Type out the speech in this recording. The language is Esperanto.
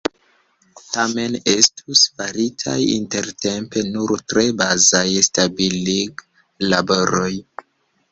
Tamen estus faritaj intertempe nur tre bazaj stabiliglaboroj.